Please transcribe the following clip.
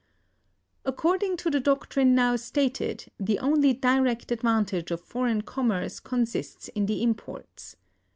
According to the doctrine now stated, the only direct advantage of foreign commerce consists in the imports.